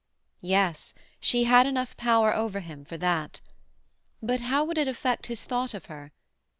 Yes; she had enough power over him for that. But how would it affect his thought of her?